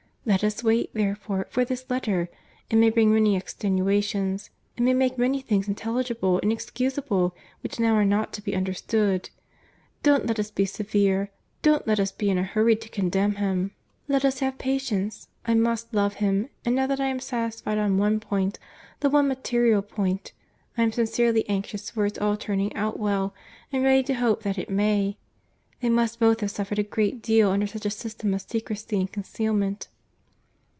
Let us wait, therefore, for this letter. It may bring many extenuations. It may make many things intelligible and excusable which now are not to be understood. Don't let us be severe, don't let us be in a hurry to condemn him. Let us have patience. I must love him; and now that I am satisfied on one point, the one material point, I am sincerely anxious for its all turning out well, and ready to hope that it may. They must both have suffered a great deal under such a system of secresy and concealment."